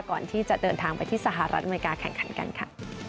ก่อนที่จะเดินทางไปที่สหรัฐอเมริกาแข่งขันกันค่ะ